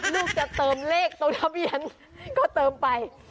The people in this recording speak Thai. ลูกจะเติมเลขตรงทะเบียนก็เติมไป